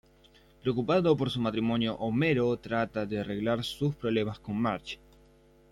Preocupado por su matrimonio, Homero trata de arreglar sus problemas con Marge.